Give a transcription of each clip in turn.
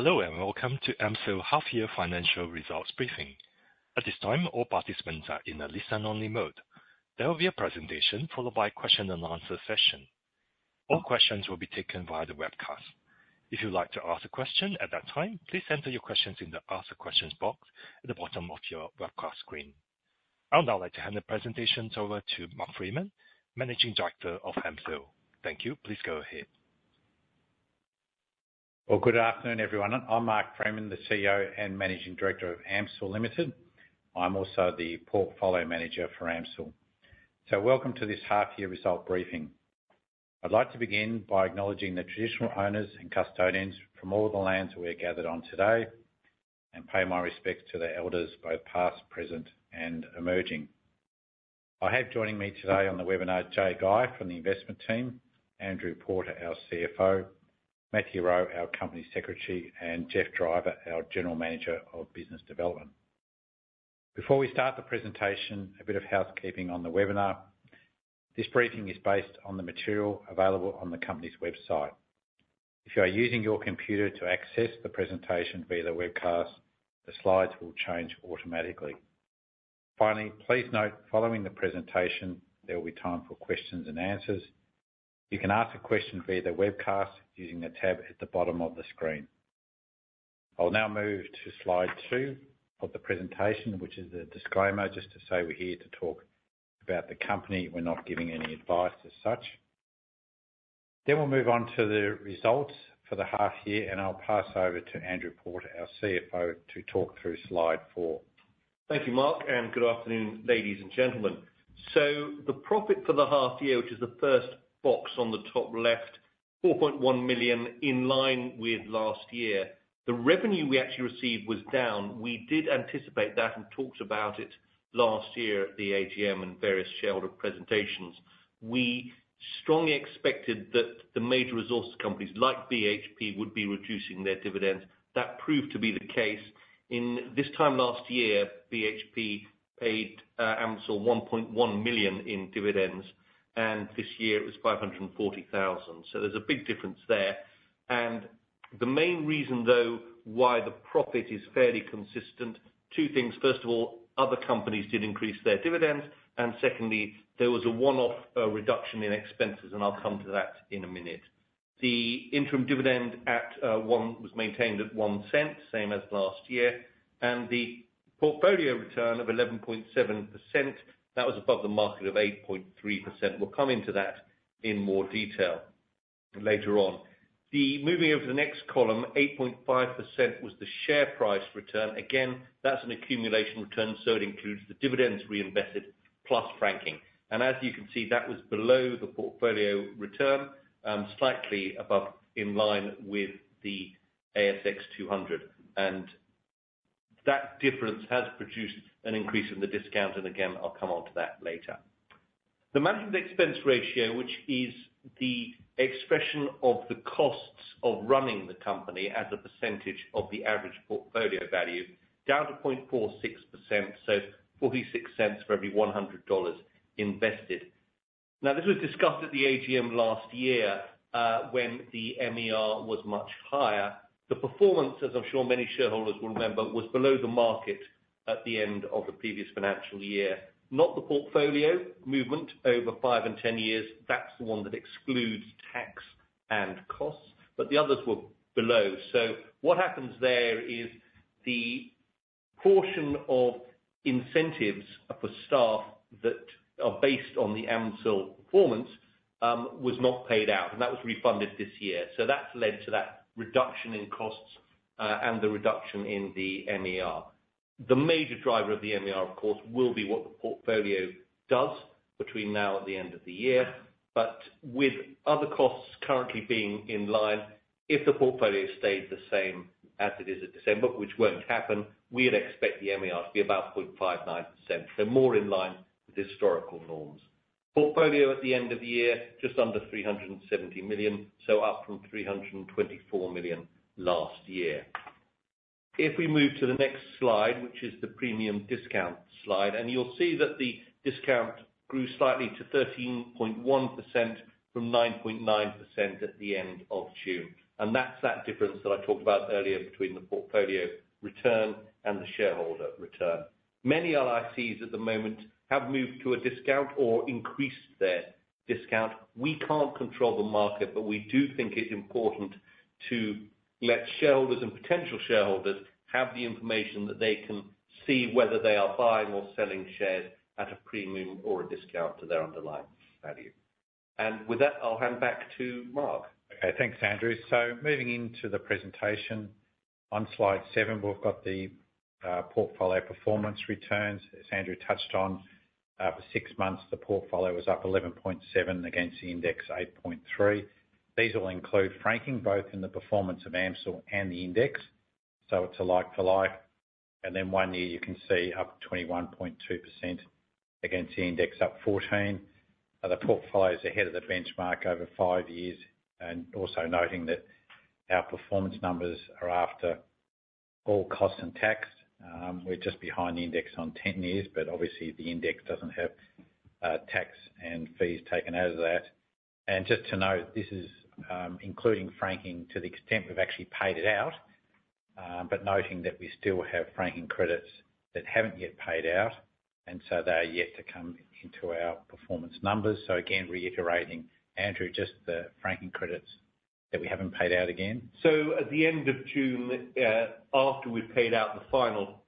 Hello, and welcome to AMCIL Half Year Financial Results briefing. At this time, all participants are in a listen-only mode. There will be a presentation followed by question and answer session. All questions will be taken via the webcast. If you'd like to ask a question at that time, please enter your questions in the Ask a Question box at the bottom of your webcast screen. I would now like to hand the presentations over to Mark Freeman, Managing Director of AMCIL. Thank you. Please go ahead. Well, good afternoon, everyone. I'm Mark Freeman, the CEO and Managing Director of AMCIL Limited. I'm also the Portfolio Manager for AMCIL. Welcome to this half year result briefing. I'd like to begin by acknowledging the traditional owners and custodians from all of the lands we are gathered on today, and pay my respects to the elders, both past, present, and emerging. I have joining me today on the webinar, Jaye Guy, from the investment team, Andrew Porter, our CFO, Matthew Rowe, our Company Secretary, and Geoff Driver, our General Manager of Business Development. Before we start the presentation, a bit of housekeeping on the webinar. This briefing is based on the material available on the company's website. If you are using your computer to access the presentation via the webcast, the slides will change automatically. Finally, please note, following the presentation, there will be time for questions and answers. You can ask a question via the webcast using the tab at the bottom of the screen. I'll now move to slide two of the presentation, which is a disclaimer, just to say, we're here to talk about the company. We're not giving any advice as such. Then we'll move on to the results for the half year, and I'll pass over to Andrew Porter, our CFO, to talk through Slide four. Thank you, Mark, and good afternoon, ladies and gentlemen. So the profit for the half year, which is the first box on the top left, 4.1 million, in line with last year. The revenue we actually received was down. We did anticipate that and talked about it last year at the AGM and various shareholder presentations. We strongly expected that the major resources companies, like BHP, would be reducing their dividends. That proved to be the case. In this time last year, BHP paid AMCIL 1.1 million in dividends, and this year it was 540 thousand. So there's a big difference there. And the main reason, though, why the profit is fairly consistent, two things. First of all, other companies did increase their dividends, and secondly, there was a one-off reduction in expenses, and I'll come to that in a minute. The interim dividend at one was maintained at 0.01, same as last year, and the portfolio return of 11.7%, that was above the market of 8.3%. We'll come into that in more detail later on. Moving over to the next column, 8.5% was the share price return. Again, that's an accumulation return, so it includes the dividends reinvested plus franking. And as you can see, that was below the portfolio return, slightly above in line with the ASX 200. And that difference has produced an increase in the discount, and again, I'll come on to that later. The management expense ratio, which is the expression of the costs of running the company as a percentage of the average portfolio value, down to 0.46%, so 0.46 for every 100 dollars invested. Now, this was discussed at the AGM last year, when the MER was much higher. The performance, as I'm sure many shareholders will remember, was below the market at the end of the previous financial year. Not the portfolio movement over five and ten years, that's the one that excludes tax and costs, but the others were below. So what happens there is the portion of incentives for staff that are based on the AMCIL performance, was not paid out, and that was refunded this year. So that's led to that reduction in costs, and the reduction in the MER. The major driver of the MER, of course, will be what the portfolio does between now and the end of the year. But with other costs currently being in line, if the portfolio stayed the same as it is in December, which won't happen, we'd expect the MER to be about 0.59%. So more in line with historical norms. Portfolio at the end of the year, just under 370 million, so up from 324 million last year. If we move to the next slide, which is the premium discount slide, and you'll see that the discount grew slightly to 13.1% from 9.9% at the end of June. And that's that difference that I talked about earlier between the portfolio return and the shareholder return. Many LICs at the moment have moved to a discount or increased their discount. We can't control the market, but we do think it's important to let shareholders and potential shareholders have the information that they can see whether they are buying or selling shares at a premium or a discount to their underlying value. And with that, I'll hand back to Mark. Okay, thanks, Andrew. So moving into the presentation. On Slide seven, we've got the portfolio performance returns. As Andrew touched on, for six months, the portfolio was up 11.7 against the index, 8.3. These all include franking, both in the performance of AMCIL and the index, so it's a like-for-like. And then one year, you can see up 21.2%, against the index up 14%. The portfolio's ahead of the benchmark over five years, and also noting that our performance numbers are after all costs and tax. We're just behind the index on ten years, but obviously, the index doesn't have tax and fees taken out of that. Just to note, this is, including franking credits to the extent we've actually paid it out, but noting that we still have franking credits that haven't yet paid out, and so they are yet to come into our performance numbers. Again, reiterating, Andrew, just the franking credits that we haven't paid out again. So at the end of June, after we'd paid out the final,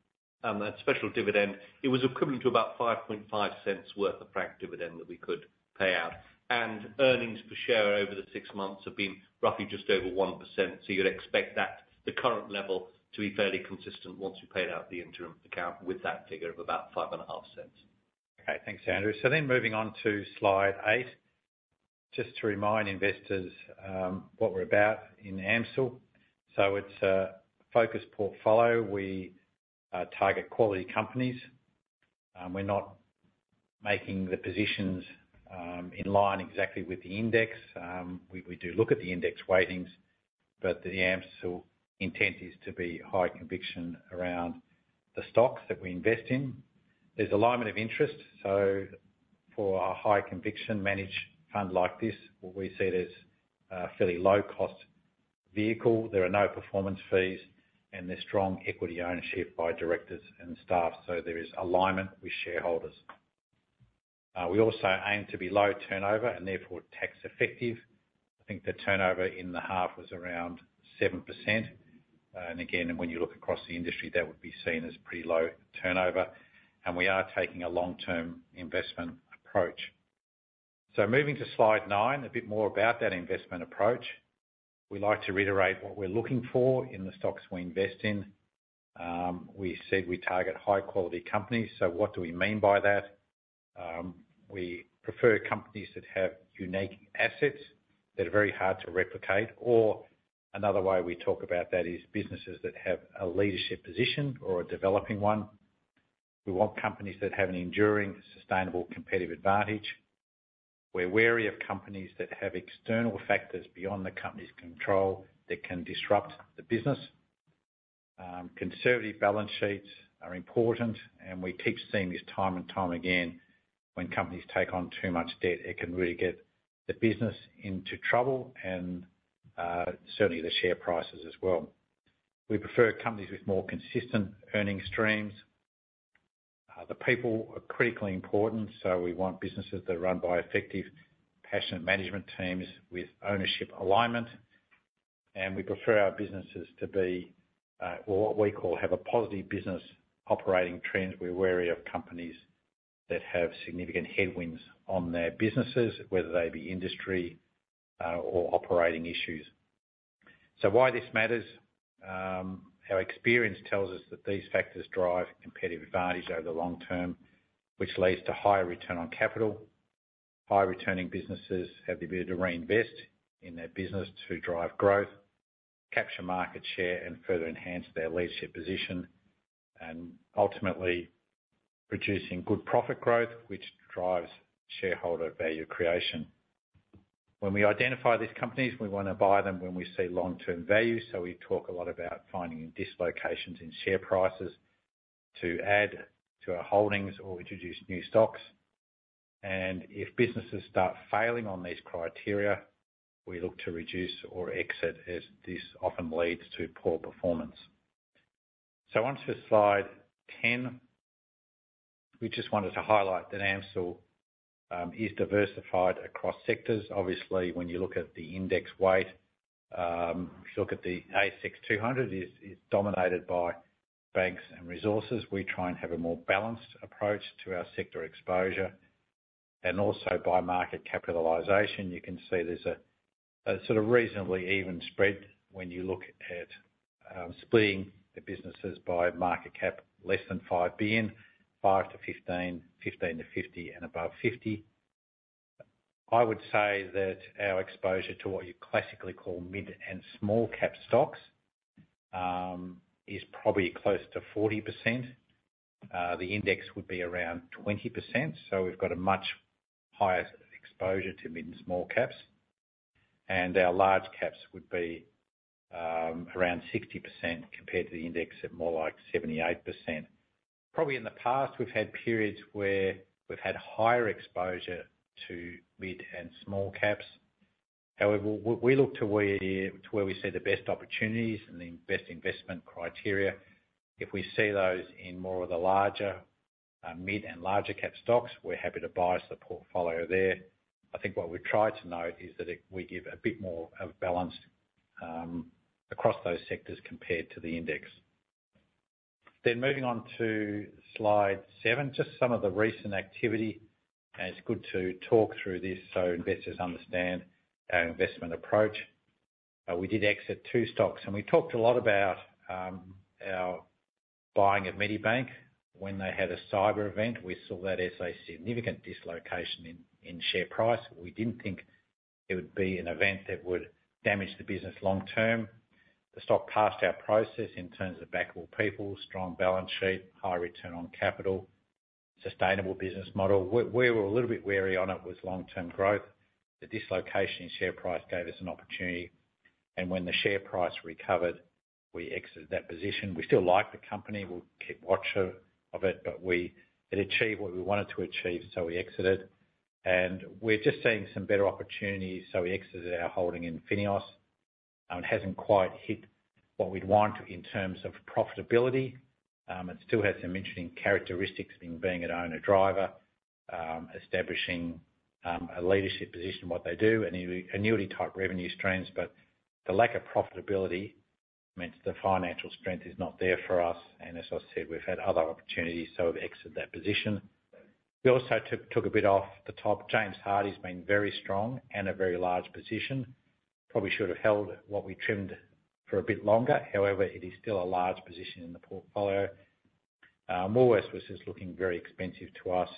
special dividend, it was equivalent to about 0.055 worth of franked dividend that we could pay out. And earnings per share over the six months have been roughly just over 1%, so you'd expect that the current level to be fairly consistent once we've paid out the interim account with that figure of about 0.055. Okay, thanks, Andrew. So then moving on to Slide eight, just to remind investors, what we're about in AMCIL. So it's a focused portfolio. We target quality companies. We're not making the positions in line exactly with the index. We do look at the index weightings, but the AMCIL intent is to be high conviction around the stocks that we invest in. There's alignment of interest, so for a high conviction managed fund like this, what we see it as a fairly low-cost vehicle. There are no performance fees, and there's strong equity ownership by directors and staff, so there is alignment with shareholders. We also aim to be low turnover and therefore tax effective. I think the turnover in the half was around 7%. And again, when you look across the industry, that would be seen as pretty low turnover, and we are taking a long-term investment approach. So moving to Slide nine, a bit more about that investment approach. We like to reiterate what we're looking for in the stocks we invest in. We said we target high-quality companies, so what do we mean by that? We prefer companies that have unique assets that are very hard to replicate, or another way we talk about that is businesses that have a leadership position or a developing one. We want companies that have an enduring, sustainable competitive advantage. We're wary of companies that have external factors beyond the company's control that can disrupt the business. Conservative balance sheets are important, and we keep seeing this time and time again, when companies take on too much debt, it can really get the business into trouble and, certainly the share prices as well. We prefer companies with more consistent earnings streams. The people are critically important, so we want businesses that are run by effective, passionate management teams with ownership alignment. We prefer our businesses to be, or what we call, have a positive business operating trends. We're wary of companies that have significant headwinds on their businesses, whether they be industry, or operating issues. Why this matters? Our experience tells us that these factors drive competitive advantage over the long term, which leads to higher return on capital. High-returning businesses have the ability to reinvest in their business to drive growth, capture market share, and further enhance their leadership position, and ultimately producing good profit growth, which drives shareholder value creation. When we identify these companies, we want to buy them when we see long-term value, so we talk a lot about finding dislocations in share prices to add to our holdings or introduce new stocks. If businesses start failing on these criteria, we look to reduce or exit, as this often leads to poor performance. On to Slide 10. We just wanted to highlight that AMCIL is diversified across sectors. Obviously, when you look at the index weight, if you look at the ASX 200, it is dominated by banks and resources. We try and have a more balanced approach to our sector exposure, and also by market capitalization. You can see there's a sort of reasonably even spread when you look at splitting the businesses by market cap, less than 5 billion, 5 billion- 15 billion, 15 billion-50 billion, and above 50 billion. I would say that our exposure to what you classically call mid and small cap stocks is probably close to 40%. The index would be around 20%, so we've got a much higher exposure to mid and small caps. And our large caps would be around 60% compared to the index at more like 78%. Probably in the past, we've had periods where we've had higher exposure to mid and small caps. However, we look to where we see the best opportunities and the best investment criteria. If we see those in more of the larger, mid and larger cap stocks, we're happy to bias the portfolio there. I think what we try to note is that we give a bit more balanced across those sectors compared to the index. Then moving on to Slide seven, just some of the recent activity, and it's good to talk through this so investors understand our investment approach. We did exit two stocks, and we talked a lot about our buying at Medibank. When they had a cyber event, we saw that as a significant dislocation in share price. We didn't think it would be an event that would damage the business long term. The stock passed our process in terms of backable people, strong balance sheet, high return on capital.... sustainable business model. We're a little bit wary on it was long-term growth. The dislocation in share price gave us an opportunity, and when the share price recovered, we exited that position. We still like the company. We'll keep watch of it, but it achieved what we wanted to achieve, so we exited. And we're just seeing some better opportunities, so we exited our holding in FINEOS. It hasn't quite hit what we'd want in terms of profitability. It still has some interesting characteristics in being an owner-driver, establishing a leadership position in what they do, and annuity-type revenue streams. But the lack of profitability means the financial strength is not there for us, and as I said, we've had other opportunities, so we've exited that position. We also took a bit off the top. James Hardie's been very strong and a very large position. Probably should have held what we trimmed for a bit longer, however, it is still a large position in the portfolio. Morewest was just looking very expensive to us.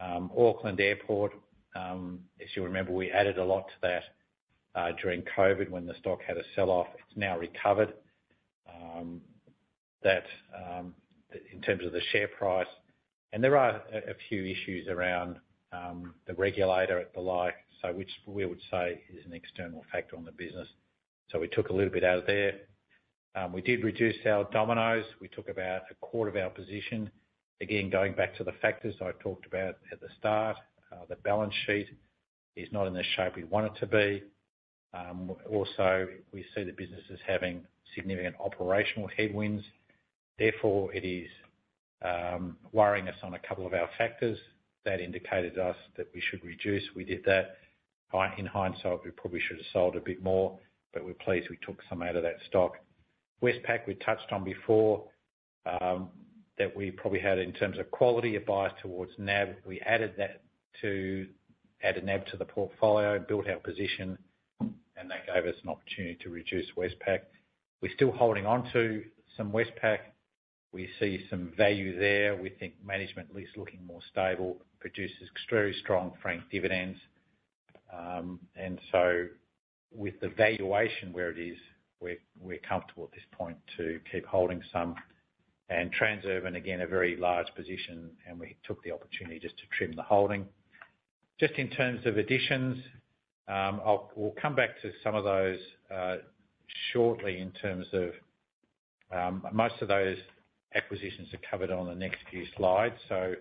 Auckland Airport, as you remember, we added a lot to that, during COVID, when the stock had a sell-off. It's now recovered, that, in terms of the share price, and there are a few issues around, the regulator and the like, so which we would say is an external factor on the business, so we took a little bit out of there. We did reduce our Domino's. We took about a quarter of our position. Again, going back to the factors I talked about at the start, the balance sheet is not in the shape we want it to be. Also, we see the businesses having significant operational headwinds; therefore, it is worrying us on a couple of our factors. That indicated to us that we should reduce. We did that. In hindsight, we probably should have sold a bit more, but we're pleased we took some out of that stock. Westpac, we touched on before, that we probably had in terms of quality, a bias towards NAV. We added that to add a NAV to the portfolio and built our position, and that gave us an opportunity to reduce Westpac. We're still holding onto some Westpac. We see some value there. We think management at least looking more stable, produces extremely strong franking dividends. And so with the valuation where it is, we're comfortable at this point to keep holding some. And Transurban, again, a very large position, and we took the opportunity just to trim the holding. Just in terms of additions, we'll come back to some of those shortly in terms of... Most of those acquisitions are covered on the next few slides, so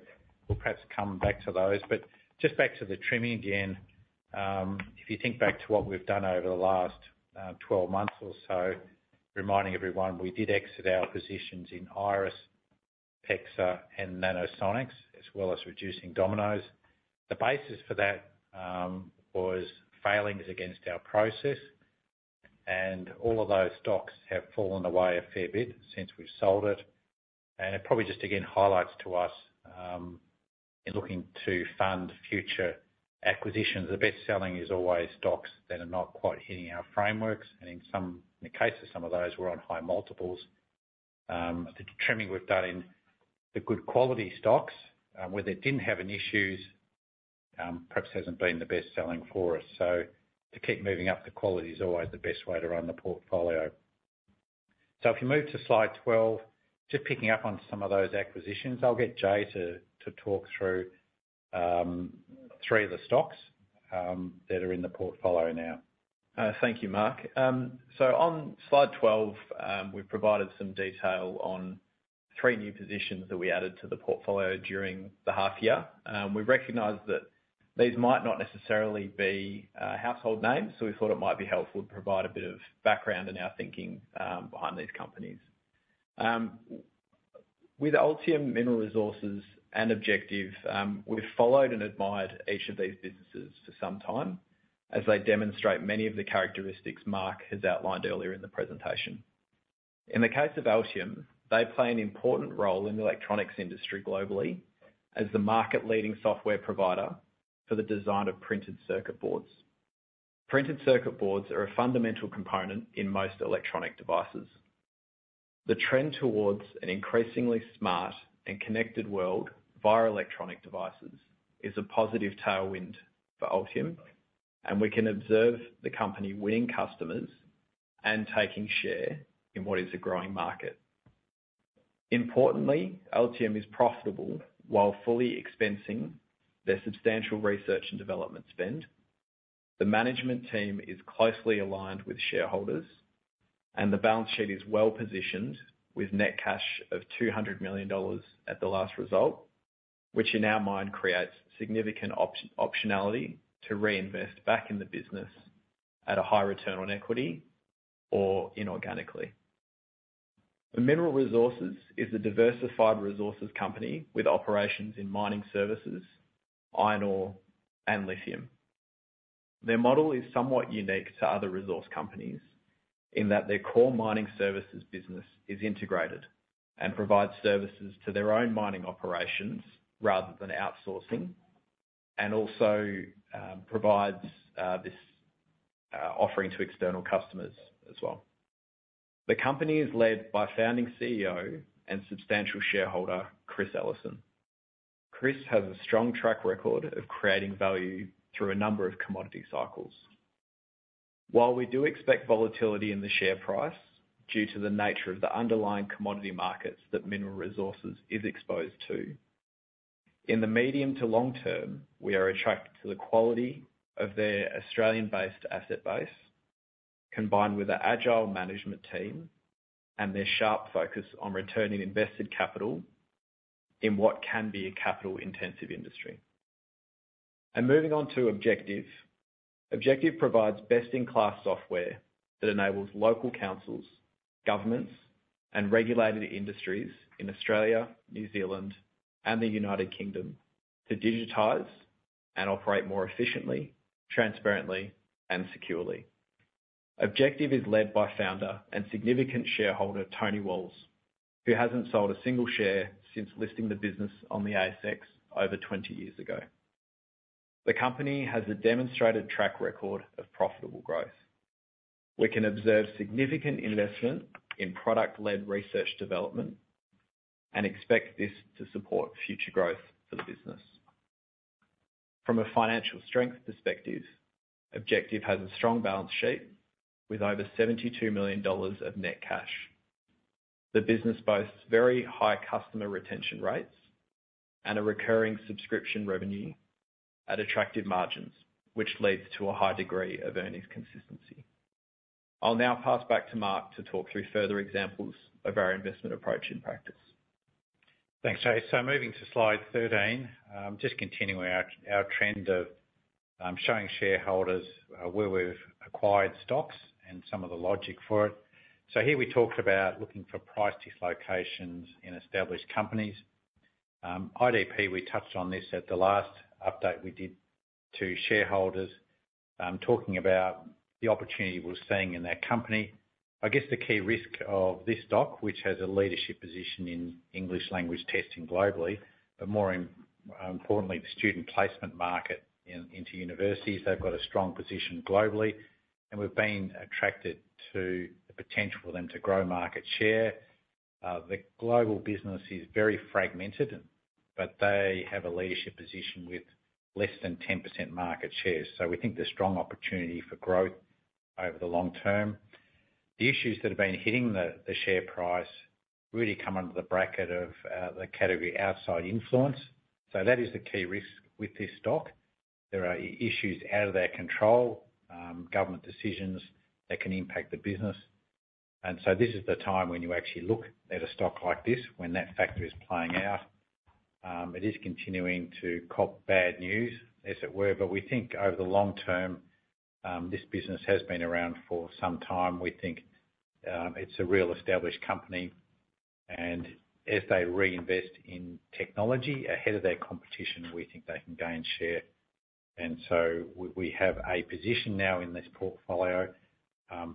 we'll perhaps come back to those. But just back to the trimming again, if you think back to what we've done over the last 12 months or so, reminding everyone, we did exit our positions in IRESS, PEXA, and Nanosonics, as well as reducing Domino's. The basis for that was failings against our process, and all of those stocks have fallen away a fair bit since we've sold it. It probably just, again, highlights to us, in looking to fund future acquisitions, the best selling is always stocks that are not quite hitting our frameworks, and in some, in the case of some of those, we're on high multiples. The trimming we've done in the good quality stocks, where they didn't have any issues, perhaps hasn't been the best selling for us. So to keep moving up, the quality is always the best way to run the portfolio. So if you move to Slide 12, just picking up on some of those acquisitions, I'll get Jaye to, to talk through, three of the stocks, that are in the portfolio now. Thank you, Mark. So on Slide 12, we've provided some detail on three new positions that we added to the portfolio during the half year. We recognize that these might not necessarily be household names, so we thought it might be helpful to provide a bit of background in our thinking behind these companies. With Altium, Mineral Resources, and Objective, we've followed and admired each of these businesses for some time, as they demonstrate many of the characteristics Mark has outlined earlier in the presentation. In the case of Altium, they play an important role in the electronics industry globally, as the market-leading software provider for the design of printed circuit boards. Printed circuit boards are a fundamental component in most electronic devices. The trend towards an increasingly smart and connected world via electronic devices is a positive tailwind for Altium, and we can observe the company winning customers and taking share in what is a growing market. Importantly, Altium is profitable while fully expensing their substantial research and development spend. The management team is closely aligned with shareholders, and the balance sheet is well positioned with net cash of 200 million dollars at the last result, which in our mind, creates significant optionality to reinvest back in the business at a high return on equity or inorganically. Mineral Resources is a diversified resources company with operations in mining services, iron ore, and lithium. Their model is somewhat unique to other resource companies, in that their core mining services business is integrated and provides services to their own mining operations rather than outsourcing, and also provides this offering to external customers as well. The company is led by founding CEO and substantial shareholder, Chris Ellison. Chris has a strong track record of creating value through a number of commodity cycles.... While we do expect volatility in the share price, due to the nature of the underlying commodity markets that Mineral Resources is exposed to, in the medium to long term, we are attracted to the quality of their Australian-based asset base, combined with an agile management team and their sharp focus on returning invested capital in what can be a capital-intensive industry. Moving on to Objective. Objective provides best-in-class software that enables local councils, governments, and regulated industries in Australia, New Zealand, and the United Kingdom to digitize and operate more efficiently, transparently, and securely. Objective is led by founder and significant shareholder, Tony Walls, who hasn't sold a single share since listing the business on the ASX over 20 years ago. The company has a demonstrated track record of profitable growth. We can observe significant investment in product-led research development, and expect this to support future growth for the business. From a financial strength perspective, Objective has a strong balance sheet with over 72 million dollars of net cash. The business boasts very high customer retention rates and a recurring subscription revenue at attractive margins, which leads to a high degree of earnings consistency. I'll now pass back to Mark to talk through further examples of our investment approach in practice. Thanks, Jaye. So moving to Slide 13, just continuing our trend of showing shareholders where we've acquired stocks and some of the logic for it. So here we talked about looking for price dislocations in established companies. IDP, we touched on this at the last update we did to shareholders, talking about the opportunity we're seeing in that company. I guess the key risk of this stock, which has a leadership position in English language testing globally, but more importantly, the student placement market into universities, they've got a strong position globally, and we've been attracted to the potential for them to grow market share. The global business is very fragmented, but they have a leadership position with less than 10% market share. So we think there's strong opportunity for growth over the long term. The issues that have been hitting the share price really come under the bracket of the category outside influence. So that is the key risk with this stock. There are issues out of their control, government decisions that can impact the business. And so this is the time when you actually look at a stock like this, when that factor is playing out. It is continuing to cop bad news, as it were, but we think over the long term this business has been around for some time. We think it's a real established company, and if they reinvest in technology ahead of their competition, we think they can gain share. And so we have a position now in this portfolio,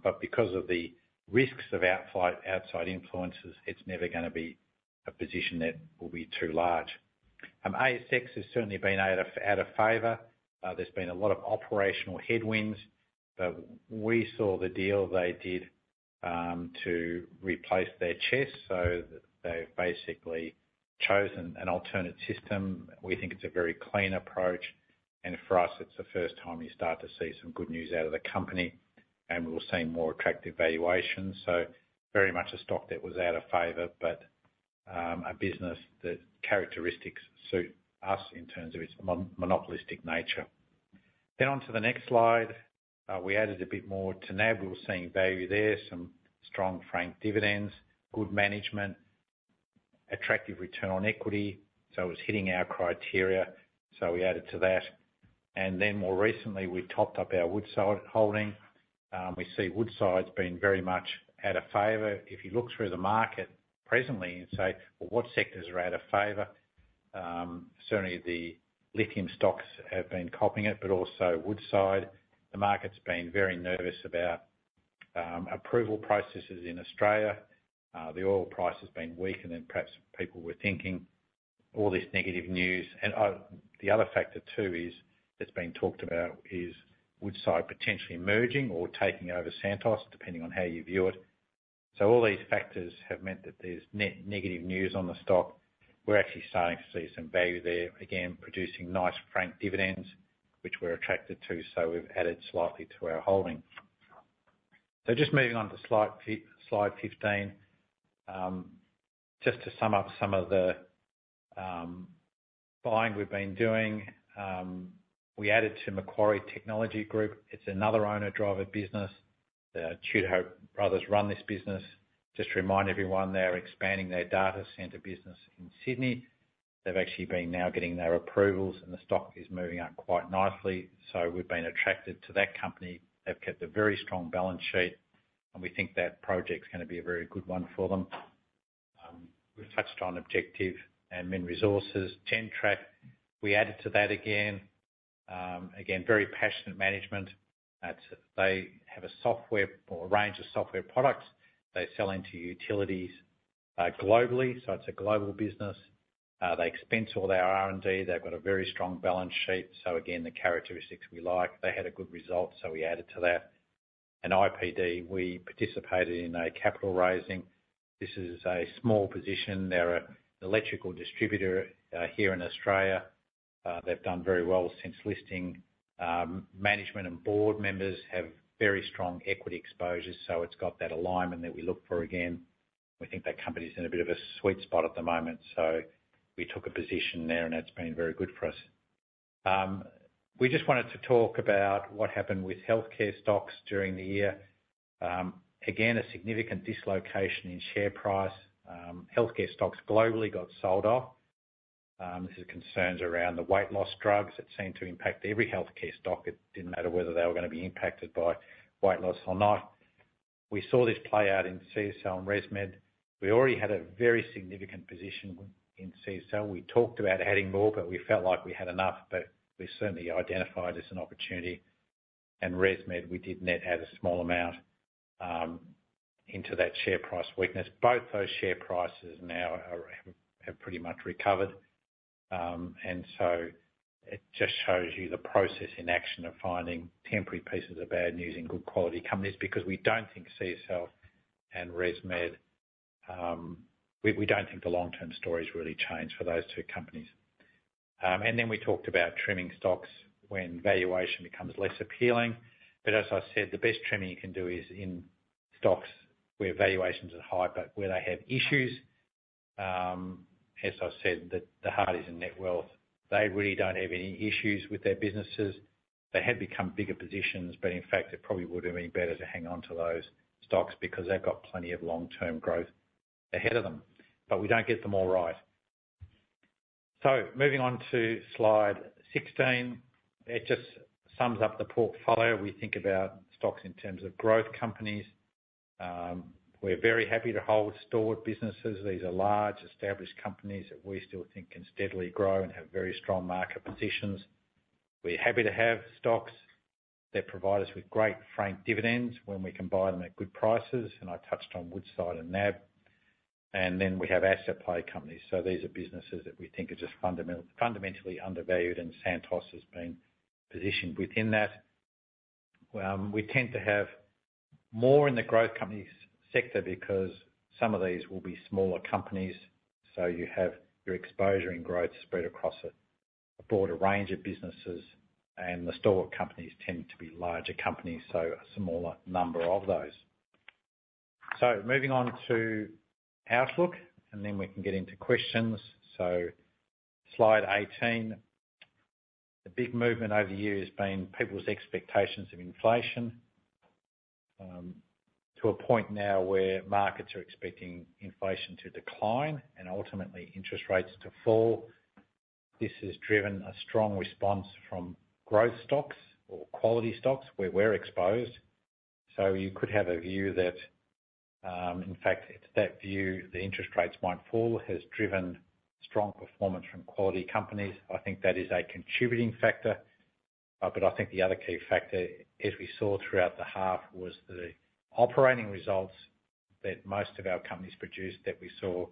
but because of the risks of outside influences, it's never gonna be a position that will be too large. ASX has certainly been out of favor. There's been a lot of operational headwinds, but we saw the deal they did to replace their CHESS. So they've basically chosen an alternate system. We think it's a very clean approach, and for us, it's the first time you start to see some good news out of the company, and we'll see more attractive valuations. So very much a stock that was out of favor, but a business that characteristics suit us in terms of its monopolistic nature. Then onto the next slide, we added a bit more to NAB. We were seeing value there, some strong franked dividends, good management, attractive return on equity, so it was hitting our criteria, so we added to that. And then more recently, we topped up our Woodside holding. We see Woodside's been very much out of favor. If you look through the market presently and say: Well, what sectors are out of favor? Certainly the lithium stocks have been copping it, but also Woodside. The market's been very nervous about approval processes in Australia. The oil price has been weaker than perhaps people were thinking, all this negative news. And the other factor, too, is that's been talked about, is Woodside potentially merging or taking over Santos, depending on how you view it. So all these factors have meant that there's net negative news on the stock. We're actually starting to see some value there, again, producing nice franking dividends, which we're attracted to, so we've added slightly to our holding. So just moving on to Slide 15, just to sum up some of the buying we've been doing. We added to Macquarie Technology Group. It's another owner-driver business. The Tudehope brothers run this business. Just to remind everyone, they're expanding their data center business in Sydney. They've actually been now getting their approvals, and the stock is moving up quite nicely, so we've been attracted to that company. They've kept a very strong balance sheet, and we think that project's gonna be a very good one for them. We've touched on Objective and Mineral Resources. Gentrack, we added to that again. Again, very passionate management. They have a software or a range of software products they sell into utilities, globally, so it's a global business. They expense all their R&D. They've got a very strong balance sheet. So again, the characteristics we like. They had a good result, so we added to that. And IPD, we participated in a capital raising. This is a small position. They're an electrical distributor here in Australia. They've done very well since listing. Management and board members have very strong equity exposure, so it's got that alignment that we look for again. We think that company's in a bit of a sweet spot at the moment, so we took a position there, and that's been very good for us. We just wanted to talk about what happened with healthcare stocks during the year. Again, a significant dislocation in share price. Healthcare stocks globally got sold off. There's concerns around the weight loss drugs that seemed to impact every healthcare stock. It didn't matter whether they were gonna be impacted by weight loss or not. We saw this play out in CSL and ResMed. We already had a very significant position in CSL. We talked about adding more, but we felt like we had enough, but we certainly identified as an opportunity. And ResMed, we did net add a small amount into that share price weakness. Both those share prices now have pretty much recovered. And so it just shows you the process in action of finding temporary pieces of bad news in good quality companies, because we don't think CSL and ResMed... We don't think the long-term stories really change for those two companies. And then we talked about trimming stocks when valuation becomes less appealing, but as I said, the best trimming you can do is in stocks where valuations are high, but where they have issues. As I said, the Hardies and Netwealth, they really don't have any issues with their businesses. They have become bigger positions, but in fact, it probably would have been better to hang on to those stocks, because they've got plenty of long-term growth ahead of them. But we don't get them all right. So moving on to Slide 16, it just sums up the portfolio. We think about stocks in terms of growth companies. We're very happy to hold stalwart businesses. These are large, established companies that we still think can steadily grow and have very strong market positions. We're happy to have stocks that provide us with great franked dividends when we can buy them at good prices, and I touched on Woodside and NAB. And then we have asset play companies, so these are businesses that we think are just fundamentally undervalued, and Santos has been positioned within that. We tend to have more in the growth companies sector because some of these will be smaller companies, so you have your exposure and growth spread across a, a broader range of businesses. The stalwart companies tend to be larger companies, so a smaller number of those. Moving on to outlook, and then we can get into questions. Slide 18, the big movement over the year has been people's expectations of inflation, to a point now where markets are expecting inflation to decline, and ultimately interest rates to fall. This has driven a strong response from growth stocks or quality stocks, where we're exposed. You could have a view that, in fact, it's that view, the interest rates might fall, has driven strong performance from quality companies. I think that is a contributing factor, but I think the other key factor, as we saw throughout the half, was the operating results that most of our companies produced, that we saw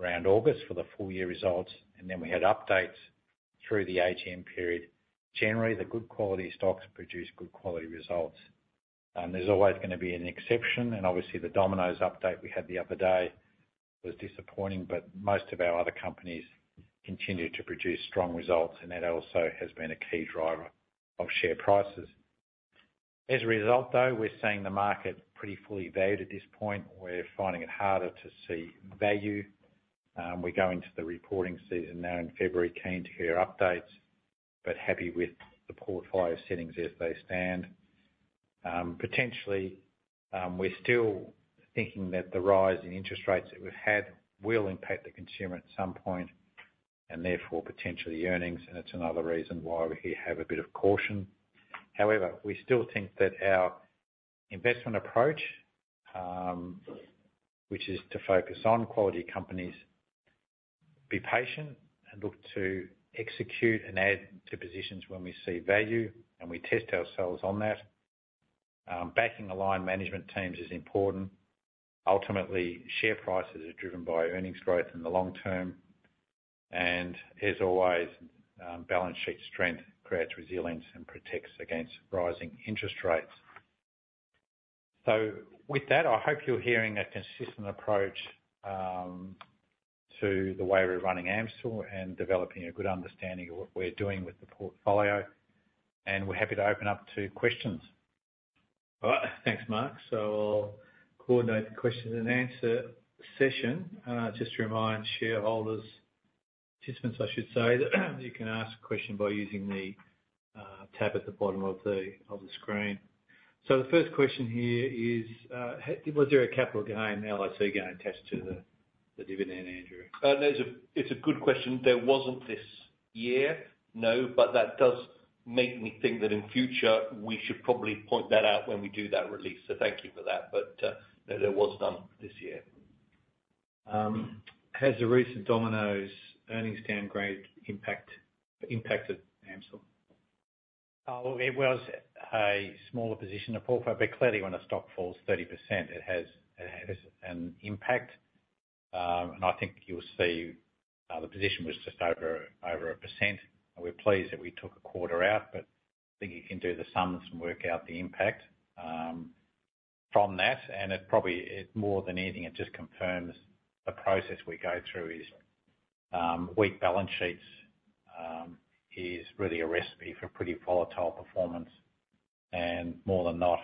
around August for the full year results. And then we had updates through the AGM period. Generally, the good quality stocks produce good quality results. There's always gonna be an exception, and obviously, the Domino's update we had the other day was disappointing, but most of our other companies continued to produce strong results, and that also has been a key driver of share prices. As a result, though, we're seeing the market pretty fully valued at this point. We're finding it harder to see value. We go into the reporting season now in February, keen to hear updates, but happy with the portfolio settings as they stand. Potentially, we're still thinking that the rise in interest rates that we've had will impact the consumer at some point, and therefore, potentially earnings, and it's another reason why we have a bit of caution. However, we still think that our investment approach, which is to focus on quality companies, be patient, and look to execute and add to positions when we see value, and we test ourselves on that. Backing aligned management teams is important. Ultimately, share prices are driven by earnings growth in the long term, and as always, balance sheet strength creates resilience and protects against rising interest rates. So with that, I hope you're hearing a consistent approach, to the way we're running AMCIL and developing a good understanding of what we're doing with the portfolio, and we're happy to open up to questions. All right, thanks, Mark. So I'll coordinate the question and answer session. Just to remind shareholders, participants, I should say, you can ask a question by using the tab at the bottom of the screen. So the first question here is, was there a capital gain, LIC gain attached to the dividend, Andrew? It's a good question. There wasn't this year, no, but that does make me think that in future, we should probably point that out when we do that release, so thank you for that. But, no, there was none this year. Has the recent Domino's earnings downgrade impacted AMCIL? Well, it was a smaller position in the portfolio, but clearly, when a stock falls 30%, it has an impact. And I think you'll see, the position was just over 1%, and we're pleased that we took a quarter out, but I think you can do the sums and work out the impact. From that, and it probably, it more than anything, it just confirms the process we go through is weak balance sheets is really a recipe for pretty volatile performance, and more than not,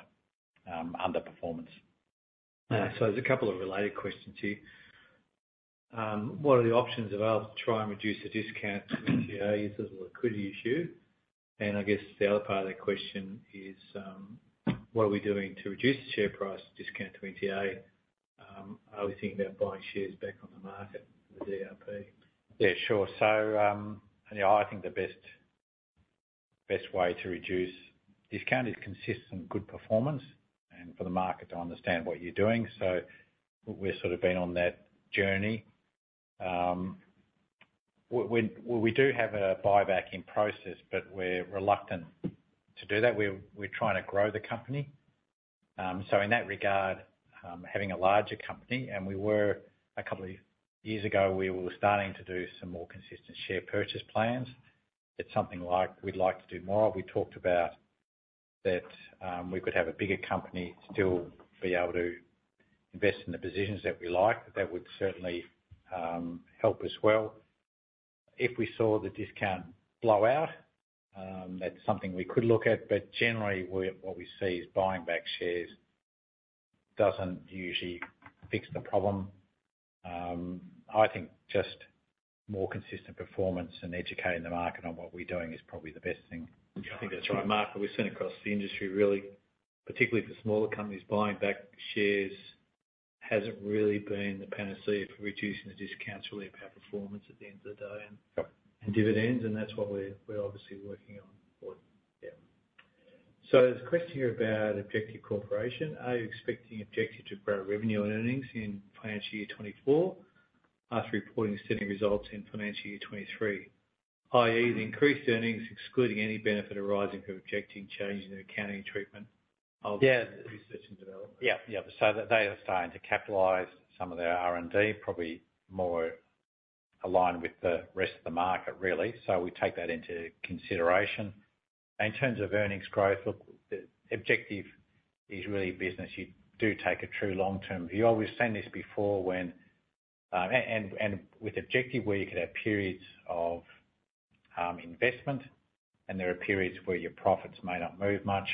underperformance. There's a couple of related questions here. What are the options available to try and reduce the discount to NTA? Is this a liquidity issue? And I guess the other part of that question is, what are we doing to reduce the share price discount to NTA? Are we thinking about buying shares back on the market, the DRP? Yeah, sure. So, yeah, I think the best way to reduce discount is consistent, good performance, and for the market to understand what you're doing. So we've sort of been on that journey. Well, we do have a buyback in process, but we're reluctant to do that. We're, we're trying to grow the company. So in that regard, having a larger company, and we were... A couple of years ago, we were starting to do some more consistent share purchase plans. It's something like we'd like to do more. We talked about that, we could have a bigger company still be able to invest in the positions that we like. That would certainly help as well. If we saw the discount blow out, that's something we could look at, but generally, what we see is buying back shares doesn't usually fix the problem. I think just more consistent performance and educating the market on what we're doing is probably the best thing. I think that's right. Mark, we've seen across the industry, really, particularly for smaller companies, buying back shares hasn't really been the panacea for reducing the discounts, really, of our performance at the end of the day- Yep... and dividends, and that's what we're obviously working on. Yeah. So there's a question here about Objective Corporation. Are you expecting Objective to grow revenue and earnings in financial year 2024 after reporting the setting results in financial year 2023, i.e., the increased earnings, excluding any benefit arising from Objective change in accounting treatment of- Yeah Research and development? Yeah. Yeah, so they are starting to capitalize some of their R&D, probably more aligned with the rest of the market, really. So we take that into consideration. In terms of earnings growth, look, the Objective is really a business you do take a true long-term view. I've always said this before, when and with Objective, where you could have periods of investment, and there are periods where your profits may not move much,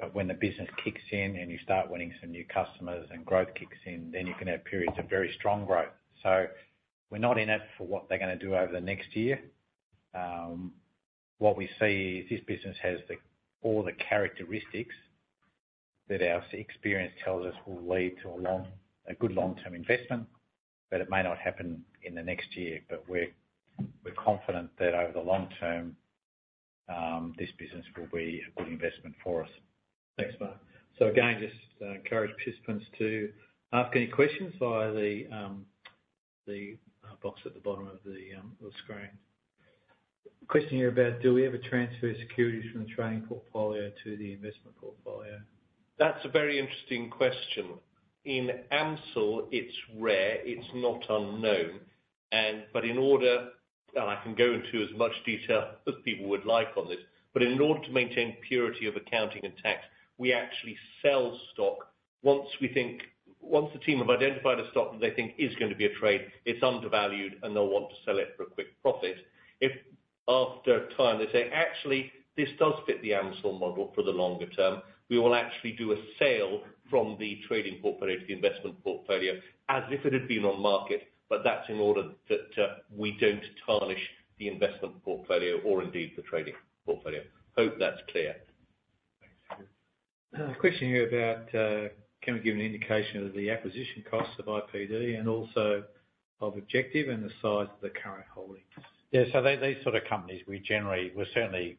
but when the business kicks in and you start winning some new customers and growth kicks in, then you can have periods of very strong growth. So we're not in it for what they're gonna do over the next year. What we see is this business has all the characteristics that our experience tells us will lead to a good long-term investment, but it may not happen in the next year. But we're confident that over the long term, this business will be a good investment for us. Thanks, Mark. So again, just encourage participants to ask any questions via the box at the bottom of the screen. Question here about: Do we ever transfer securities from the trading portfolio to the investment portfolio? That's a very interesting question. In AMCIL, it's rare, it's not unknown, but in order to maintain purity of accounting and tax, I can go into as much detail as people would like on this, but in order to maintain purity of accounting and tax, we actually sell stock once we think, once the team have identified a stock that they think is going to be a trade, it's undervalued, and they'll want to sell it for a quick profit. If after a time they say, "Actually, this does fit the AMCIL model for the longer term," we will actually do a sale from the trading portfolio to the investment portfolio, as if it had been on market. But that's in order that we don't tarnish the investment portfolio or indeed the trading portfolio. Hope that's clear. Thanks. Question here about: Can we give an indication of the acquisition costs of IPD and also of Objective and the size of the current holdings? Yeah, so these, these sort of companies, we generally, we're certainly,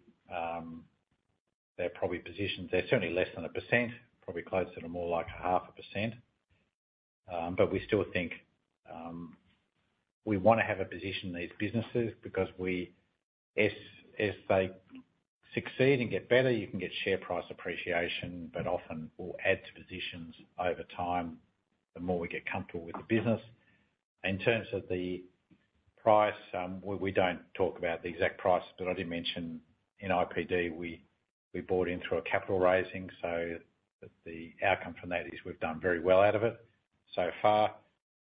they're probably positioned, they're certainly less than 1%, probably closer to more like 0.5%. But we still think, we wanna have a position in these businesses because we, if, if they succeed and get better, you can get share price appreciation, but often we'll add to positions over time, the more we get comfortable with the business. In terms of the price, well, we don't talk about the exact price, but I did mention in IPD, we, we bought in through a capital raising, so the outcome from that is we've done very well out of it so far.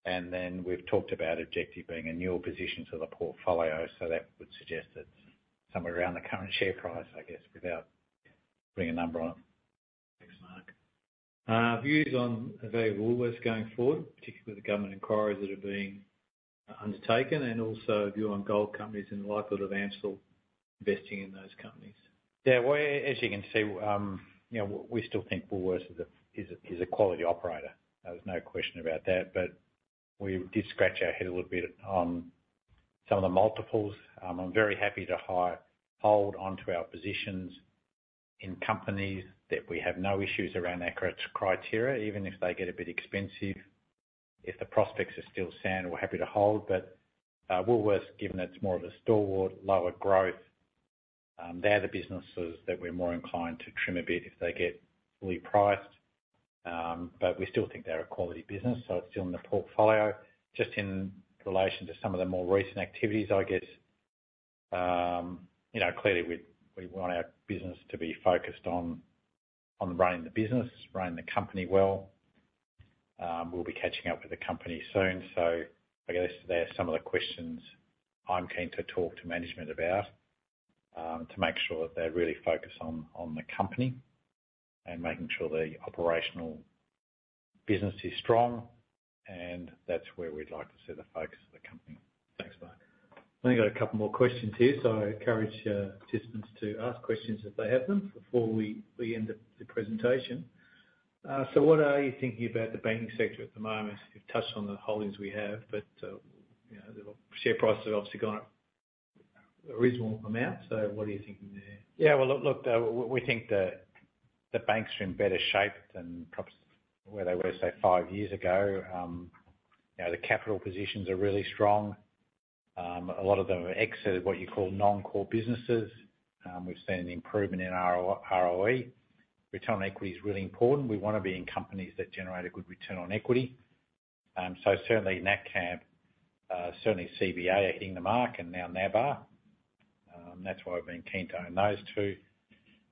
And then we've talked about Objective being a newer position to the portfolio, so that would suggest that's somewhere around the current share price, I guess, without bringing a number on. Thanks, Mark. Views on the value of Woolworths going forward, particularly the government inquiries that are being undertaken, and also view on gold companies and the likelihood of AMCIL investing in those companies? Yeah, well, as you can see, you know, we still think Woolworths is a quality operator. There's no question about that, but we did scratch our head a little bit on some of the multiples. I'm very happy to hold onto our positions in companies that we have no issues around our criteria, even if they get a bit expensive. If the prospects are still sound, we're happy to hold, but Woolworths, given that it's more of a stalwart, lower growth, they're the businesses that we're more inclined to trim a bit if they get fully priced. But we still think they're a quality business, so it's still in the portfolio. Just in relation to some of the more recent activities, I guess... You know, clearly we want our business to be focused on running the business, running the company well. We'll be catching up with the company soon, so I guess they're some of the questions I'm keen to talk to management about, to make sure that they're really focused on the company and making sure the operational business is strong, and that's where we'd like to see the focus of the company. Thanks, Mark. I only got a couple more questions here, so I encourage participants to ask questions if they have them before we end the presentation. So what are you thinking about the banking sector at the moment? You've touched on the holdings we have, but you know, the share price has obviously gone up a reasonable amount. So what are you thinking there? Yeah, well, look, look, we think the banks are in better shape than perhaps where they were, say, five years ago. You know, the capital positions are really strong. A lot of them have exited what you call non-core businesses. We've seen an improvement in ROE. Return on equity is really important. We want to be in companies that generate a good return on equity. So certainly in that camp, certainly CBA are hitting the mark and now NAB are. That's why we've been keen to own those two.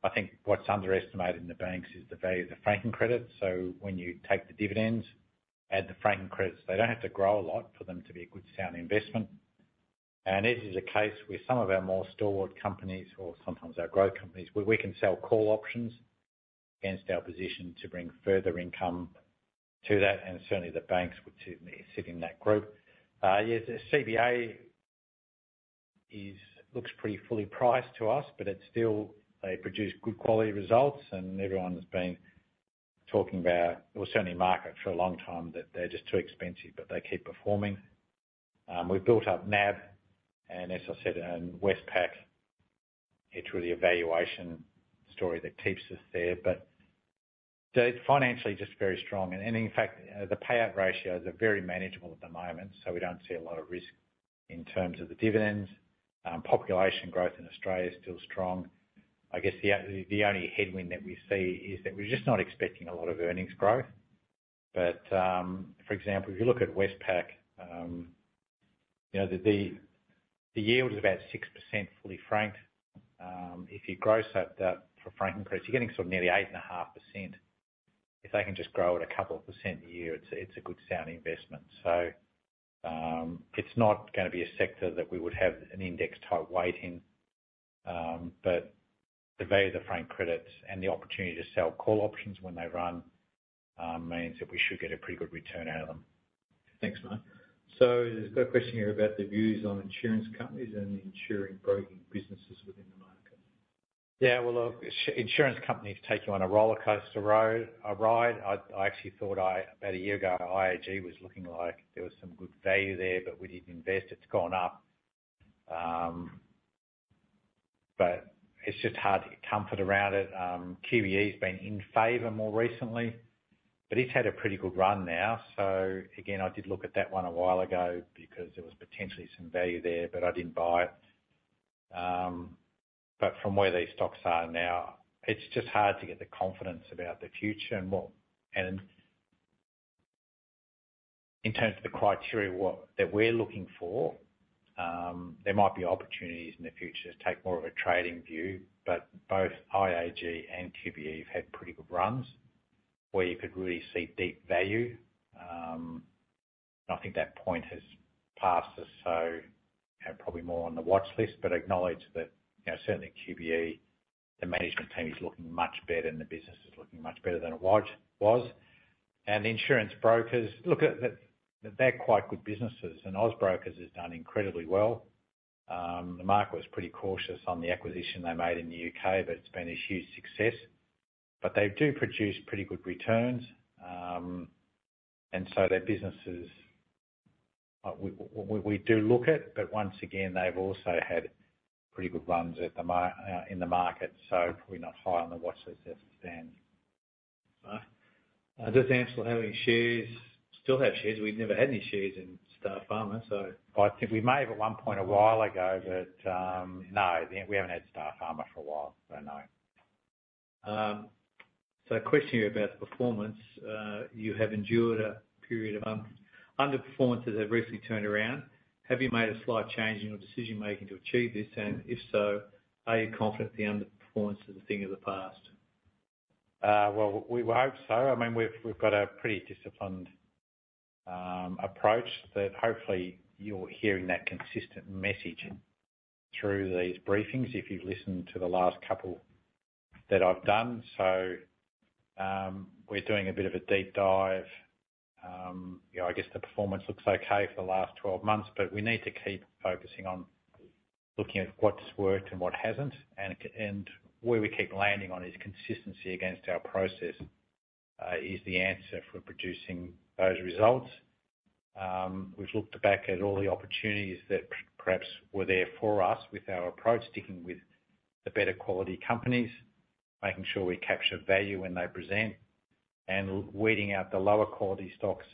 I think what's underestimated in the banks is the value of the franking credits. So when you take the dividends, add the franking credits, they don't have to grow a lot for them to be a good, sound investment. This is a case with some of our more stalwart companies or sometimes our growth companies, where we can sell call options against our position to bring further income to that, and certainly the banks would sit in that group. Yes, CBA looks pretty fully priced to us, but it's still... They produce good quality results, and everyone's been talking about, or certainly the market for a long time, that they're just too expensive, but they keep performing. We've built up NAB and as I said, and Westpac, it's really a valuation story that keeps us there, but they're financially just very strong. And in fact, the payout ratios are very manageable at the moment, so we don't see a lot of risk in terms of the dividends. Population growth in Australia is still strong. I guess the only headwind that we see is that we're just not expecting a lot of earnings growth. For example, if you look at Westpac, you know, the yield is about 6%, fully franked. If you gross up that for franking credits, you're getting sort of nearly 8.5%. If they can just grow at 2% a year, it's a good, sound investment. So, it's not gonna be a sector that we would have an index-type weight in. But the value of the frank credits and the opportunity to sell call options when they run means that we should get a pretty good return out of them. Thanks, Mark. So there's a question here about the views on insurance companies and the insurance broking businesses within the market. Yeah, well, look, insurance companies take you on a rollercoaster road ride. I actually thought... About a year ago, IAG was looking like there was some good value there, but we didn't invest. It's gone up. But it's just hard to get comfort around it. QBE's been in favor more recently, but it's had a pretty good run now. So again, I did look at that one a while ago because there was potentially some value there, but I didn't buy it. But from where these stocks are now, it's just hard to get the confidence about the future. And in terms of the criteria, what that we're looking for, there might be opportunities in the future to take more of a trading view, but both IAG and QBE have had pretty good runs where you could really see deep value. I think that point has passed us, so, you know, probably more on the watchlist, but acknowledge that, you know, certainly QBE, the management team is looking much better and the business is looking much better than it was. And the insurance brokers, look, they're quite good businesses, and Austbrokers has done incredibly well. The market was pretty cautious on the acquisition they made in the U.K., but it's been a huge success. But they do produce pretty good returns. And so their business is, we do look at, but once again, they've also had pretty good runs in the market, so probably not high on the watchlist just then. Does Answer have any shares? Still have shares. We've never had any shares in Starpharma, so- I think we may have at one point a while ago, but, no, we haven't had Starpharma for a while. So, no. A question here about the performance. You have endured a period of underperformance that have recently turned around. Have you made a slight change in your decision-making to achieve this? And if so, are you confident the underperformance is a thing of the past? Well, we hope so. I mean, we've got a pretty disciplined approach that hopefully you're hearing that consistent message through these briefings, if you've listened to the last couple that I've done. So, we're doing a bit of a deep dive. You know, I guess the performance looks okay for the last 12 months, but we need to keep focusing on looking at what's worked and what hasn't, and where we keep landing on is consistency against our process is the answer for producing those results. We've looked back at all the opportunities that perhaps were there for us with our approach, sticking with the better quality companies, making sure we capture value when they present, and weeding out the lower quality stocks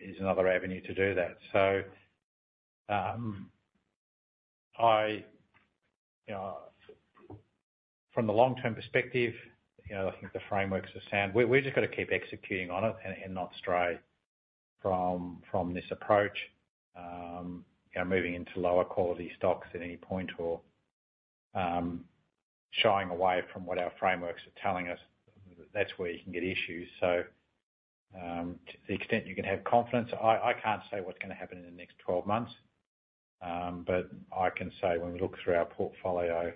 is another avenue to do that. So, from the long-term perspective, you know, I think the frameworks are sound. We just got to keep executing on it and not stray from this approach. You know, moving into lower quality stocks at any point, or shying away from what our frameworks are telling us, that's where you can get issues. So, to the extent you can have confidence, I can't say what's gonna happen in the next 12 months. But I can say when we look through our portfolio,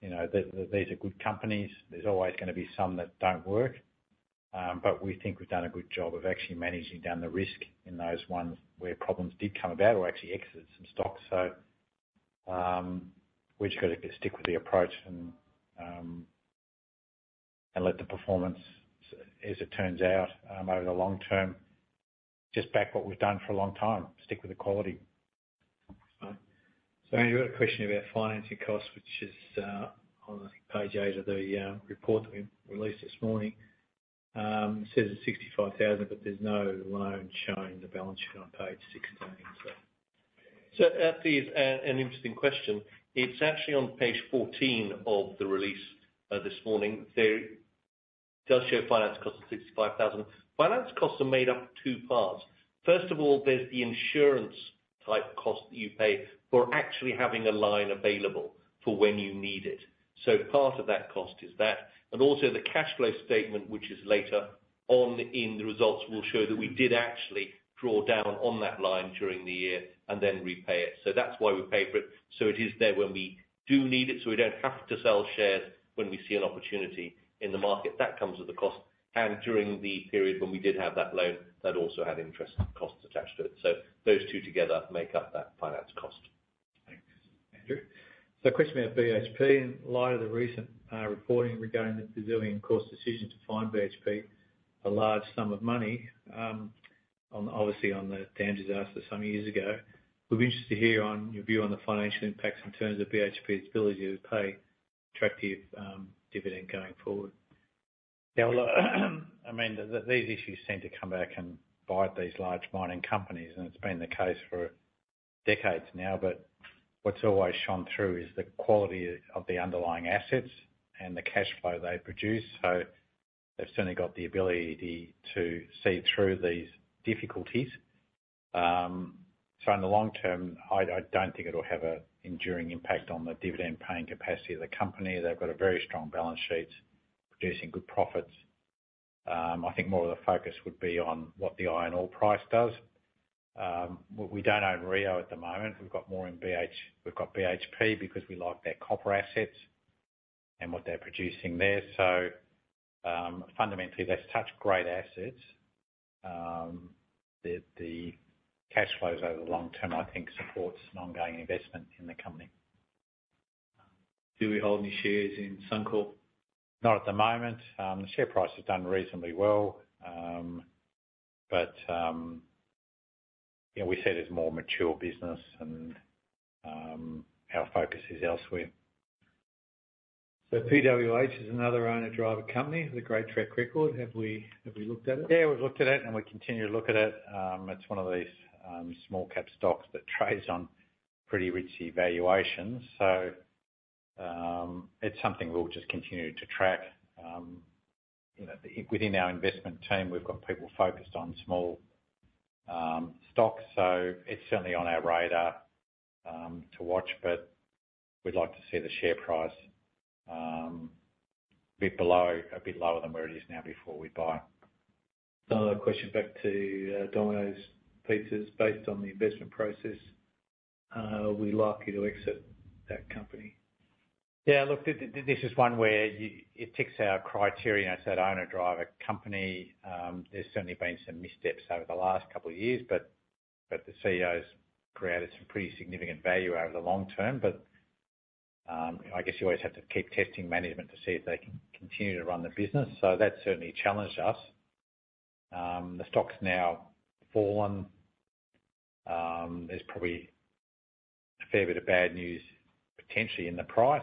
you know, these are good companies. There's always gonna be some that don't work. But we think we've done a good job of actually managing down the risk in those ones where problems did come about, or actually exited some stocks. We've just got to stick with the approach and let the performance as it turns out over the long term, just back what we've done for a long time, stick with the quality. Right. So Andrew, you've got a question about financing costs, which is, on, I think, Page eight of the report that we released this morning. It says it's 65,000, but there's no loan shown in the balance sheet on Page 16, so. So that is an interesting question. It's actually on Page 14 of the release this morning. They does show finance costs of 65,000. Finance costs are made up of two parts. First of all, there's the insurance type cost that you pay for actually having a line available for when you need it. So part of that cost is that. And also the cash flow statement, which is later on in the results, will show that we did actually draw down on that line during the year and then repay it. So that's why we pay for it. So it is there when we do need it, so we don't have to sell shares when we see an opportunity in the market. That comes with a cost, and during the period when we did have that loan, that also had interest costs attached to it. So those two together make up that finance cost. Thanks, Andrew. So a question about BHP. In light of the recent reporting regarding the Brazilian court's decision to fine BHP a large sum of money, obviously on the dam disaster some years ago, we'd be interested to hear on your view on the financial impacts in terms of BHP's ability to pay attractive dividend going forward. Yeah, look, I mean, these issues seem to come back and bite these large mining companies, and it's been the case for decades now. But what's always shone through is the quality of the underlying assets and the cash flow they produce. So they've certainly got the ability to see through these difficulties. In the long term, I don't think it'll have an enduring impact on the dividend-paying capacity of the company. They've got a very strong balance sheet, producing good profits. I think more of the focus would be on what the iron ore price does. We don't own Rio at the moment. We've got more in BHP, because we like their copper assets and what they're producing there. Fundamentally, they've such great assets that the cash flows over the long term, I think, supports an ongoing investment in the company. Do we hold any shares in Suncorp? Not at the moment. The share price has done reasonably well. But, you know, we said it's a more mature business and our focus is elsewhere. So PWH is another owner-driver company with a great track record. Have we looked at it? Yeah, we've looked at it, and we continue to look at it. It's one of these small cap stocks that trades on pretty rich valuations. So, it's something we'll just continue to track. You know, within our investment team, we've got people focused on small stocks, so it's certainly on our radar to watch, but we'd like to see the share price a bit lower than where it is now, before we buy. Another question back to Domino's Pizzas. Based on the investment process, are we likely to exit that company? Yeah, look, this is one where you, it ticks our criteria. It's that owner-driver company. There's certainly been some missteps over the last couple of years, but the CEO's created some pretty significant value over the long term. But I guess you always have to keep testing management to see if they can continue to run the business. So that certainly challenged us. The stock's now fallen. There's probably a fair bit of bad news, potentially, in the price.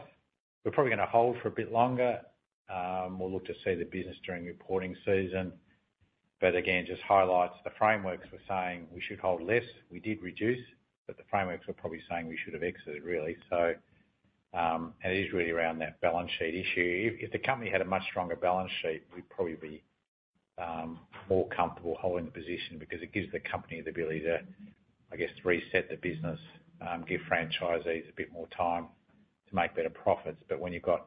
We're probably gonna hold for a bit longer. We'll look to see the business during reporting season. But again, just highlights the frameworks, we're saying, "We should hold less." We did reduce, but the frameworks were probably saying we should have exited, really. So, and it is really around that balance sheet issue. If the company had a much stronger balance sheet, we'd probably be more comfortable holding the position, because it gives the company the ability to, I guess, reset the business, give franchisees a bit more time to make better profits. But when you're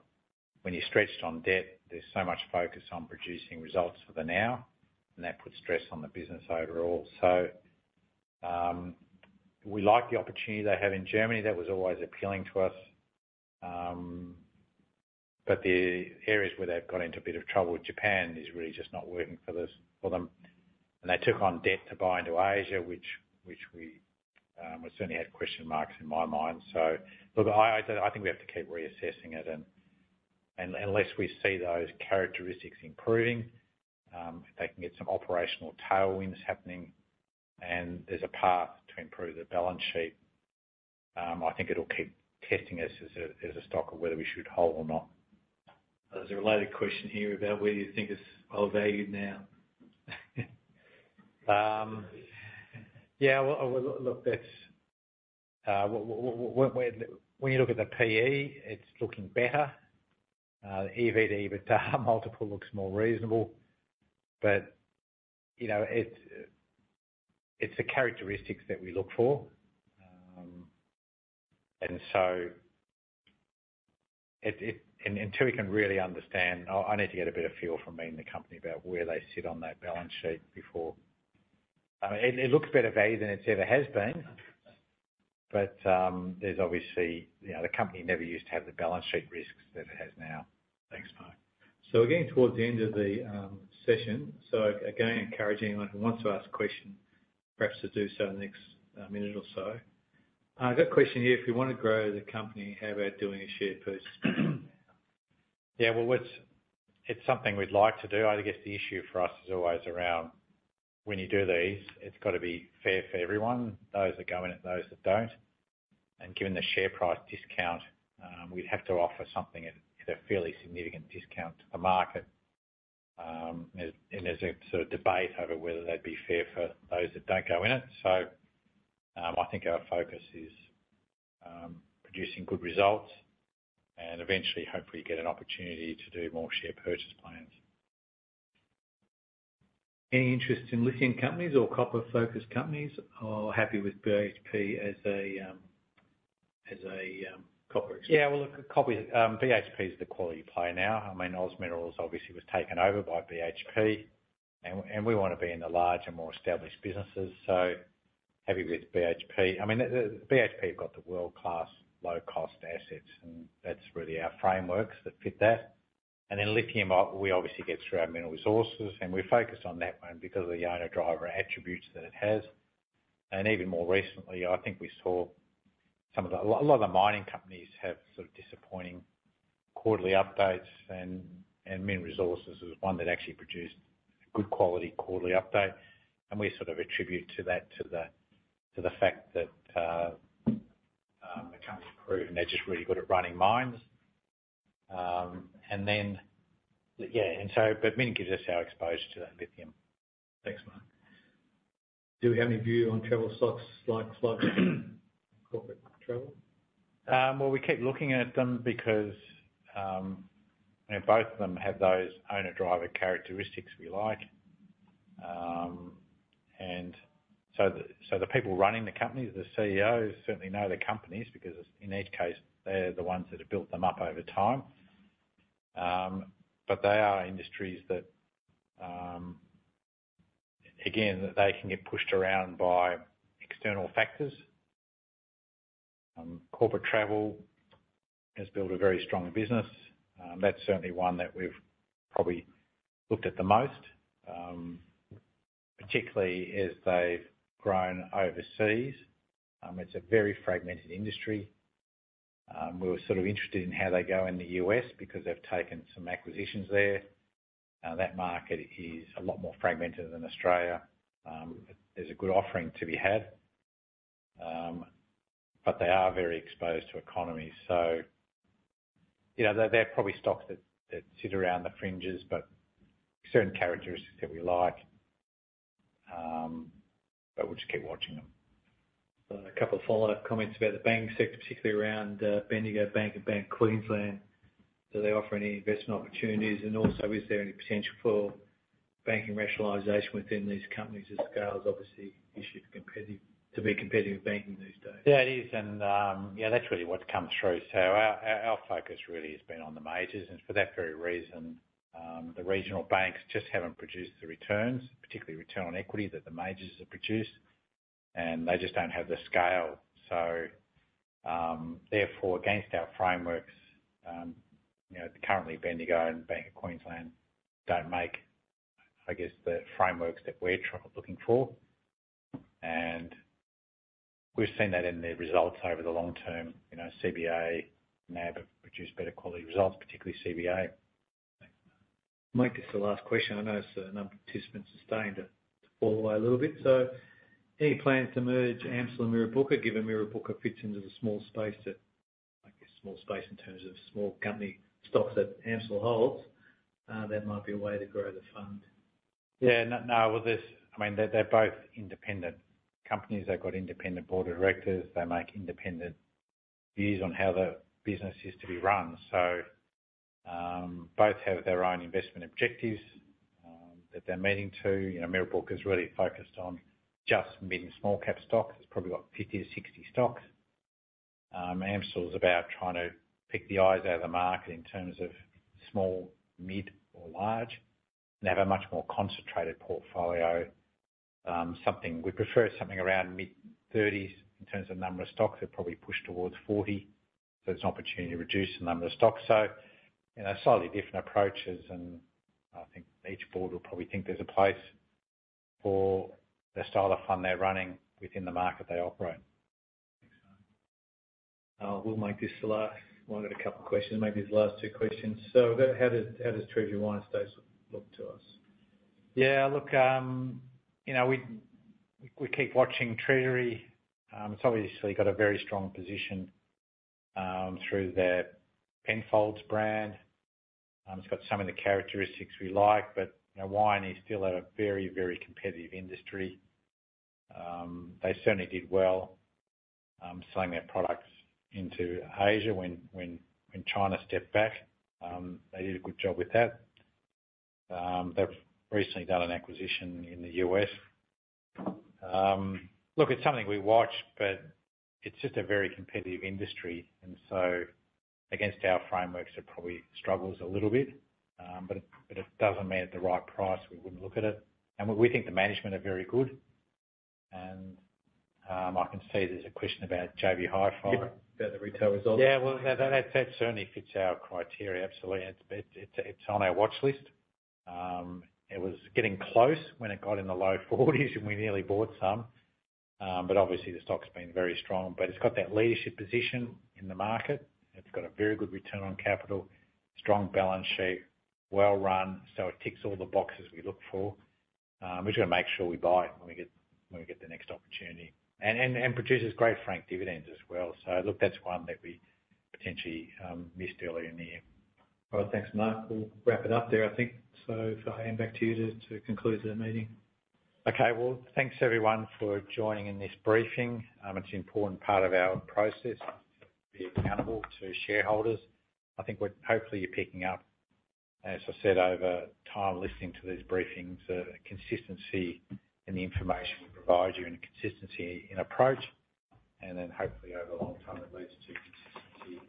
stretched on debt, there's so much focus on producing results for the now, and that puts stress on the business overall. So, we like the opportunity they have in Germany. That was always appealing to us. But the areas where they've got into a bit of trouble with Japan is really just not working for them. And they took on debt to buy into Asia, which we certainly had question marks in my mind. So, look, I think we have to keep reassessing it and unless we see those characteristics improving, if they can get some operational tailwinds happening, and there's a path to improve the balance sheet, I think it'll keep testing us as a stock of whether we should hold or not. There's a related question here about whether you think it's well valued now? Yeah, well, well, look, when, when you look at the PE, it's looking better, EV/EBITDA, but multiple looks more reasonable. But, you know, it's, it's the characteristics that we look for. And so it, it and until we can really understand, I, I need to get a better feel from meeting the company about where they sit on that balance sheet before. I mean, it, it looks better value than it ever has been, but, there's obviously, you know, the company never used to have the balance sheet risks that it has now. Thanks, Mark. So we're getting towards the end of the session. So again, encouraging anyone who wants to ask a question, perhaps to do so in the next minute or so. I've got a question here: If you want to grow the company, how about doing a share purchase? Yeah, well, what's... It's something we'd like to do. I guess the issue for us is always around when you do these, it's got to be fair for everyone, those that go in it, those that don't. And given the share price discount, we'd have to offer something at a fairly significant discount to the market. And there's a sort of debate over whether they'd be fair for those that don't go in it. So, I think our focus is producing good results and eventually, hopefully, get an opportunity to do more share purchase plans. Any interest in lithium companies or copper-focused companies, or happy with BHP as a, as a, copper company? Yeah, well, look, a copper, BHP is the quality play now. I mean, OZ Minerals obviously was taken over by BHP, and we want to be in the larger, more established businesses, so happy with BHP. I mean, the BHP have got the world-class, low-cost assets, and that's really our frameworks that fit that. And then lithium, we obviously get through our Mineral Resources, and we're focused on that one because of the owner-driver attributes that it has. And even more recently, I think we saw some of the... A lot, a lot of the mining companies have sort of disappointing quarterly updates, and Mineral Resources is one that actually produced a good quality quarterly update. And we sort of attribute to that, to the fact that, the company approved, and they're just really good at running mines. And then, yeah, and so, but mainly gives us our exposure to that lithium. Thanks, Mark. Do we have any view on travel stocks, like, like corporate travel? Well, we keep looking at them because, you know, both of them have those owner-driver characteristics we like. So the people running the companies, the CEOs, certainly know their companies, because in each case, they're the ones that have built them up over time. But they are industries that, again, that they can get pushed around by external factors. Corporate Travel has built a very strong business. That's certainly one that we've probably looked at the most, particularly as they've grown overseas. It's a very fragmented industry. We were sort of interested in how they go in the U.S. because they've taken some acquisitions there. That market is a lot more fragmented than Australia. There's a good offering to be had, but they are very exposed to economies. So, you know, they're probably stocks that sit around the fringes, but certain characteristics that we like, but we'll just keep watching them. A couple of follow-up comments about the banking sector, particularly around Bendigo Bank and Bank of Queensland. Do they offer any investment opportunities? And also, is there any potential for banking rationalization within these companies as scale is obviously an issue to competitive, to be competitive in banking these days? Yeah, it is, and yeah, that's really what's come through. So our focus really has been on the majors, and for that very reason, the regional banks just haven't produced the returns, particularly return on equity, that the majors have produced, and they just don't have the scale. So therefore, against our frameworks, you know, currently, Bendigo Bank and Bank of Queensland don't make, I guess, the frameworks that we're looking for. And we've seen that in their results over the long term. You know, CBA, NAB have produced better quality results, particularly CBA. Mike, it's the last question. I notice the number of participants has started to fall away a little bit. So any plans to merge AMCIL and Mirrabooka, given Mirrabooka fits into the small space that, I guess, small space in terms of small company stocks that AMCIL holds? That might be a way to grow the fund. Yeah. No, well, I mean, they're both independent companies. They've got independent board of directors. They make independent views on how the business is to be run. So, both have their own investment objectives that they're meeting to. You know, Mirrabooka is really focused on just meeting small cap stocks. It's probably got 50-60 stocks. AMCIL is about trying to pick the eyes out of the market in terms of small, mid, or large. They have a much more concentrated portfolio. We prefer something around mid-30s in terms of number of stocks. They're probably pushed towards 40, so there's an opportunity to reduce the number of stocks. So, you know, slightly different approaches, and I think each board will probably think there's a place for the style of fund they're running within the market they operate. We'll make this the last... Well, I got a couple questions, maybe the last two questions. So how does, how does Treasury Wine Estates look to us? Yeah, look, you know, we keep watching Treasury. It's obviously got a very strong position through their Penfolds brand. It's got some of the characteristics we like, but, you know, wine is still a very, very competitive industry. They certainly did well selling their products into Asia when China stepped back, they did a good job with that. They've recently done an acquisition in the U.S. Look, it's something we watch, but it's just a very competitive industry, and so against our frameworks, it probably struggles a little bit. But it doesn't mean at the right price, we wouldn't look at it. And we think the management are very good. And I can see there's a question about JB Hi-Fi. About the retail result? Yeah, well, that certainly fits our criteria, absolutely. It's on our watch list. It was getting close when it got in the low 40s, and we nearly bought some. But obviously the stock's been very strong, but it's got that leadership position in the market. It's got a very good return on capital, strong balance sheet, well-run, so it ticks all the boxes we look for. We've just gotta make sure we buy it when we get the next opportunity. And produces great franked dividends as well. So look, that's one that we potentially missed earlier in the year. All right, thanks, Mark. We'll wrap it up there, I think. So if I hand back to you to conclude the meeting. Okay, well, thanks, everyone, for joining in this briefing. It's an important part of our process to be accountable to shareholders. I think hopefully you're picking up, as I said, over time, listening to these briefings, consistency in the information we provide you, and consistency in approach, and then hopefully over the long term, it leads to consistency in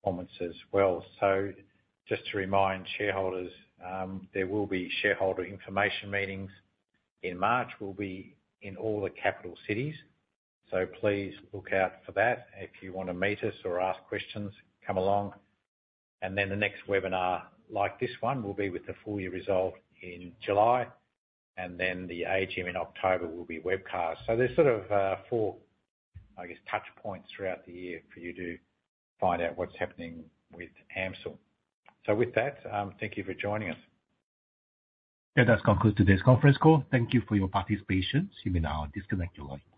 performance as well. So just to remind shareholders, there will be shareholder information meetings in March. We'll be in all the capital cities, so please look out for that. If you wanna meet us or ask questions, come along. And then the next webinar, like this one, will be with the full year result in July, and then the AGM in October will be webcast. So there's sort of four, I guess, touch points throughout the year for you to find out what's happening with AMCIL. So with that, thank you for joining us. That does conclude today's conference call. Thank you for your participation. You may now disconnect your lines.